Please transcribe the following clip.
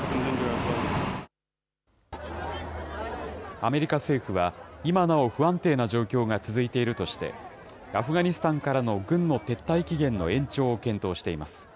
アメリカ政府は、今なお不安定な状況が続いているとして、アフガニスタンからの軍の撤退期限の延長を検討しています。